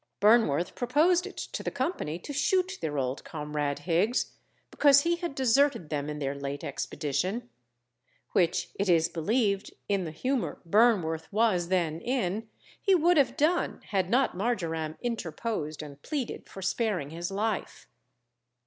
Burnworth proposed it to the company to shoot their old comrade Higgs, because he had deserted them in their late expedition; which it is believed, in the humour Burnworth was then in, he would have done, had not Marjoram interposed and pleaded for sparing his life.